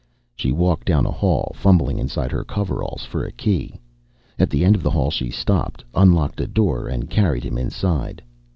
She walked down a hall, fumbling inside her coveralls for a key. At the end of the hall she stopped, unlocked a door, and carried him inside.